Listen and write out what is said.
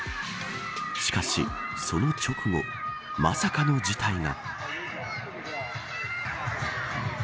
しかし、その直後まさかの事態が。